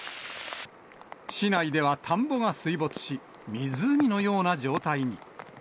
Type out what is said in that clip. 市内では田んぼが水没し、湖のような状態に。